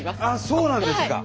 そうなんですか。